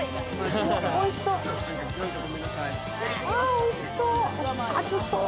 おいしそう！